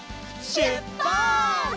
しゅっぱつ！